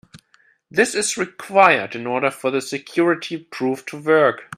This is required in order for the security proof to work.